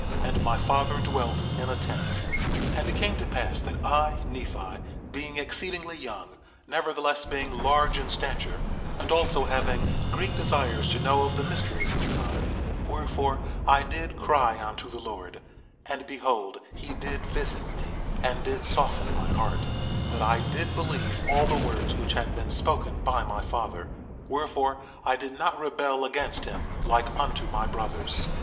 2:15 And my father dwelt in a tent. 2:16 And it came to pass that I, Nephi, being exceedingly young, nevertheless being large in stature, and also having great desires to know of the mysteries of God, wherefore, I did cry unto the Lord; and behold he did visit me, and did soften my heart that I did believe all the words which had been spoken by my father; wherefore, I did not rebel against him like unto my brothers.